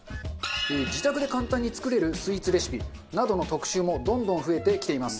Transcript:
自宅で簡単に作れるスイーツレシピなどの特集もどんどん増えてきています。